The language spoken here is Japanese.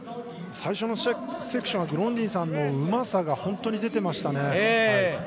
最初のセクショングロンディンさんのうまさが本当に出ていましたね。